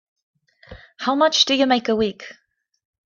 How much do you make a week?